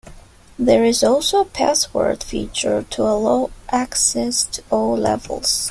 There is also a password feature to allow access to all levels.